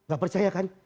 gak percaya kan